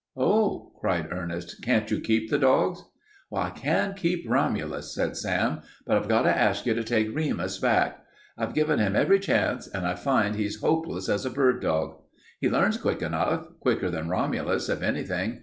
"Oh," cried Ernest, "can't you keep the dogs?" "I can keep Romulus," said Sam, "but I've got to ask you to take Remus back. I've given him every chance and I find he's hopeless as a bird dog. He learns quick enough quicker than Romulus if anything.